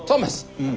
うん。